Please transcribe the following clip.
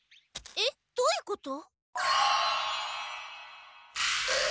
えっどういうこと？